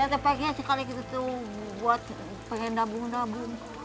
iya kebaiknya sekali gitu tuh buat pengen nabung nabung